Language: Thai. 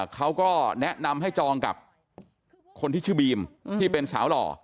เขาก็แนะนำให้จองกับคนที่ชื่อบีมที่เป็นสาวหล่อ